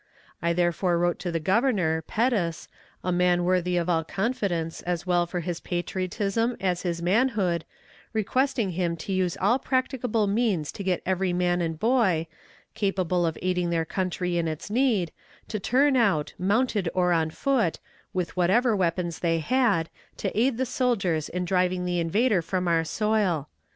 I therefore wrote to the Governor, Pettus, a man worthy of all confidence, as well for his patriotism as his manhood, requesting him to use all practicable means to get every man and boy, capable of aiding their country in its need, to turn out, mounted or on foot, with whatever weapons they had, to aid the soldiers in driving the invader from our soil.